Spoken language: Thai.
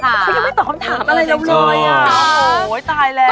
เขายังไม่ตอบคำถามอะไรน้ำลอยอะโหตายแล้ว